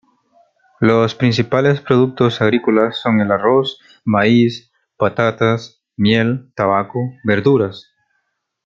Los principales productos agrícolas son el arroz, maíz, patatas, miel, tabaco, verduras.